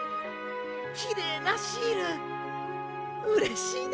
きれいなシールうれしいな！